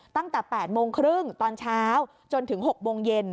ตั้งแต่๘โมงครึ่งตอนเช้าจนถึง๖โมงเย็น